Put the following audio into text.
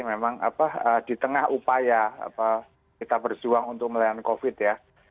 memang di tengah upaya kita berjuang untuk melayani covid ya